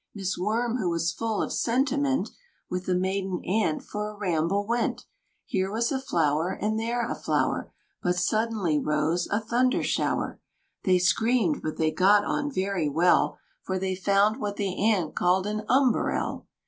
Miss Worm, who was full of sentiment, With the maiden Ant for a ramble went; Here was a flower, and there a flower But suddenly rose a thunder shower. They screamed; but they got on very well, For they found what the Ant called an "umberell."